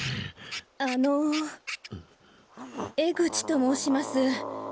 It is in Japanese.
あの江口と申します。